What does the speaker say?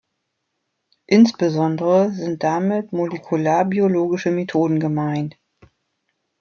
Insbesondere sind damit molekularbiologische Methoden gemeint.